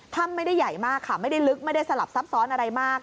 ถ้ำไม่ได้ใหญ่มากค่ะไม่ได้ลึกไม่ได้สลับซับซ้อนอะไรมาก